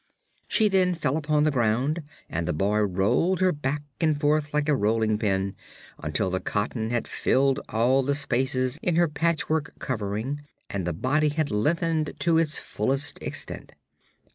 She then fell upon the ground and the boy rolled her back and forth like a rolling pin, until the cotton had filled all the spaces in her patchwork covering and the body had lengthened to its fullest extent.